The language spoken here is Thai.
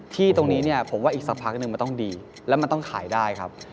ที่ตรงนี้เนี่ยผมว่าอีกสักพักหนึ่งมันต้องดีแล้วมันต้องขายได้ครับ